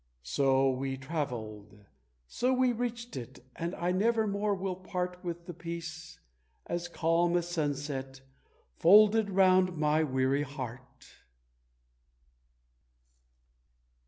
So we travelled, so we reached it, and I never more will part With the peace, as calm as sunset, folded round my weary heart.